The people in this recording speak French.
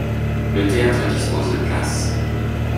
Le théâtre dispose de places.